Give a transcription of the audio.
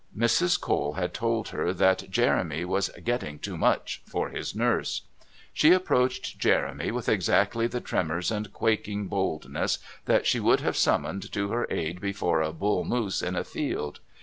Mrs. Cole had told her that Jeremy was "getting too much" for his nurse; she approached Jeremy with exactly the tremors and quaking boldness that she would have summoned to her aid before a bull loose in a field.